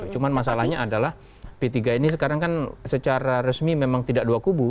cuma masalahnya adalah p tiga ini sekarang kan secara resmi memang tidak dua kubu